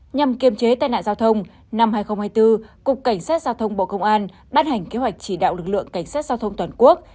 nhằm kiềm chế tai nạn giao thông năm hai nghìn hai mươi bốn cục cảnh sát giao thông bộ công an bắt hành kế hoạch chỉ đạo lực lượng cảnh sát giao thông toàn quốc